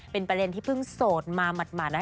เป็นประเด็นที่เพิ่งโสดมาหมาดนะคะ